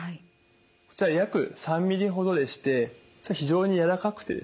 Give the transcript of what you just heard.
こちら約３ｍｍほどでして非常に軟らかくてですね